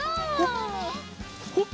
ほっ！